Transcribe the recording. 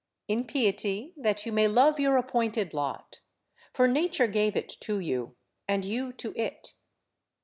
In piety that you may love your appointed lot; for Nature gave it to you and you to it.